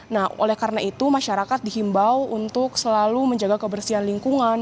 nah oleh karena itu masyarakat dihimbau untuk selalu menjaga kebersihan lingkungan